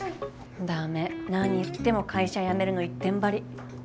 駄目何言っても会社辞めるの一点張り。